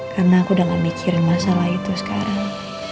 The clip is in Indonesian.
karena aku udah gak mikirin masalah itu sekarang